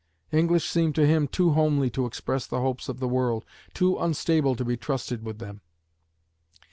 English seemed to him too homely to express the hopes of the world, too unstable to be trusted with them.